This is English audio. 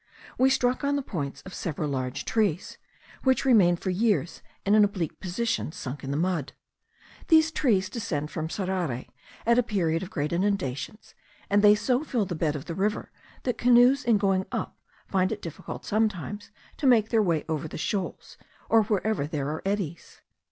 We struck on the points of several large trees, which remain for years in an oblique position, sunk in the mud. These trees descend from Sarare, at the period of great inundations, and they so fill the bed of the river, that canoes in going up find it difficult sometimes to make their way over the shoals, or wherever there are eddies.